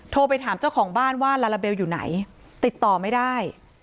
โทรไปถามเจ้าของบ้านว่าลาลาเบลอยู่ไหนติดต่อไม่ได้